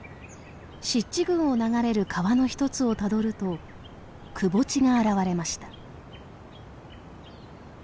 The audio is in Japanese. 湿地群を流れる川の一つをたどるとくぼ地が現れました。